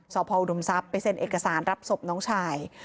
สอบพออุดมทรัพย์ไปเซ็นเอกสารรับศพน้องชาย